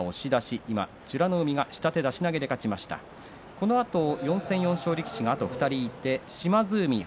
このあと４戦４勝力士が２人います、島津海